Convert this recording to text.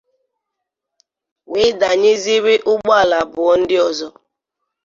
wee danyeziere ụgbọala abụọ ndị ọzọ